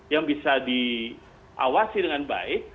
yang bisa diawasi dengan baik